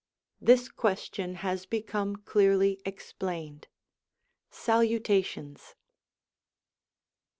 This question has become clearly explained. Salutations